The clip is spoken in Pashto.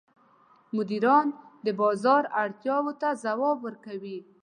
مدیران د بازار اړتیاوو ته ځواب ورکوي.